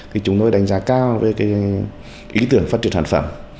thì chúng tôi đánh giá cao về cái ý tưởng phát triển sản phẩm